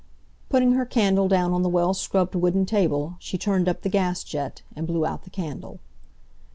Putting her candle down on the well scrubbed wooden table, she turned up the gas jet, and blew out the candle.